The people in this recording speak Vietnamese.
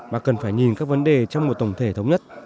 mà cần phải nhìn các vấn đề trong một tổng thể thống nhất